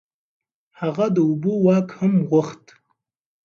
هغه د اوبو واک هم غوښت.